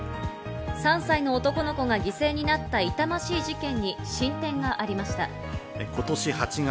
３歳の男の子が犠牲になった痛ましい事件に進展がありました。